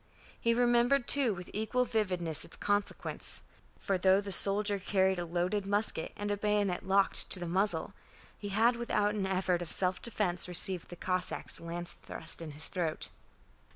He remembered too, with equal vividness, its consequence. For though the soldier carried a loaded musket and a bayonet locked to the muzzle, he had without an effort of self defence received the Cossack's lance thrust in his throat.